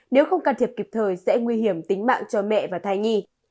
nếu không can thiệp kịp thời sẽ nguy hiểm tính mạng cho mẹ và thai nhi